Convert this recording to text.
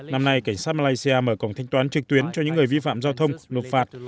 năm nay cảnh sát malaysia mở cổng thanh toán trực tuyến cho những người vi phạm giao thông nộp phạt